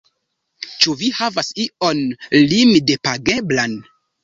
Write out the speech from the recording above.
Ĉu vi havas ion limdepageblan?